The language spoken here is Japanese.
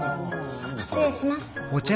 失礼します。